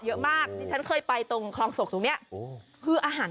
เยอะมากฉันเคยไปตรงคลองศกตรงแบนใช่ไหม